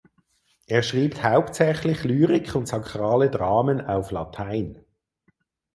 Er schrieb hauptsächlich Lyrik und sakrale Dramen auf Latein.